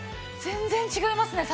全然違いますね